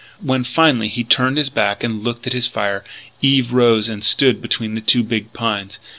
When, finally, he turned his back and looked at his fire, Eve rose and stood between the two big pines.